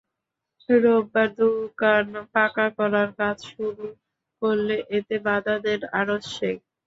রোববার দোকান পাকা করার কাজ শুরু করলে এতে বাধা দেন আরোজ শেখ।